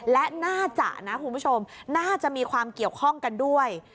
และน่าจะนะคุณผู้ชมน่าจะมีความเกี่ยวข้องกันด้วย